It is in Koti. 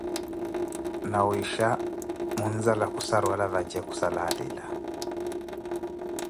Nawisha mwinzala khussaruwela vatje khussala alila.